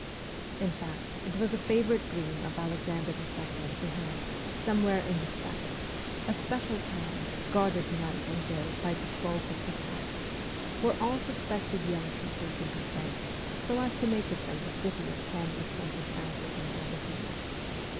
In fact, it was a favourite dream of Alexander II. to have, somewhere in the steppes, a special town, guarded night and day by patrols of Cossacks, where all suspected young people could be sent, so as to make of them a city of ten or twenty thousand inhabitants.